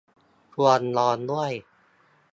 ควรนอนด้วย